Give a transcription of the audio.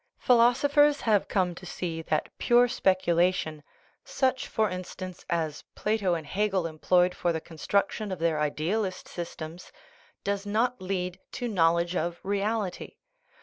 Phi losophers have come to see that pure speculation such, for instance, as Plato and Hegel employed for the construction of their idealist systems does not lead to knowledge of reality.